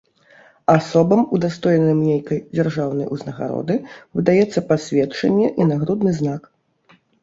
Асобам, удастоеным нейкай дзяржаўнай узнагароды, выдаецца пасведчанне і нагрудны знак.